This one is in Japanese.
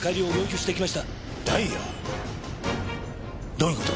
どういう事だ？